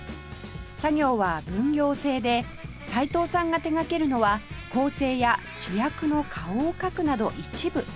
作業は分業制でさいとうさんが手がけるのは構成や主役の顔を描くなど一部